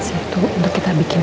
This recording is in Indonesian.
sisi ini taruh di sini